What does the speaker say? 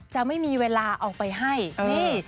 จะไม่มีเวลาเอาไปให้นี่